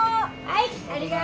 はい。